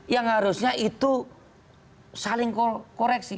yang harusnya itu saling koreksi